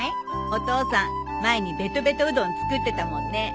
お父さん前にベトベトうどん作ってたもんね。